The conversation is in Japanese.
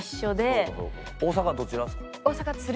大阪のどちらですか？